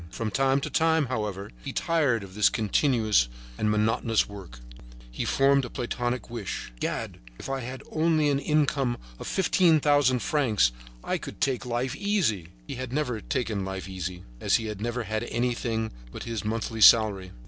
From time to time, however, tired of this continuous and monotonous work, he formed a platonic wish: "Gad! If I only had an income of fifteen thousand francs, I would take life easy." He had never taken life easy, as he had never had anything but his monthly salary.